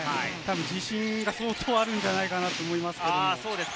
自信が相当あるんじゃないかなと思いますけれども。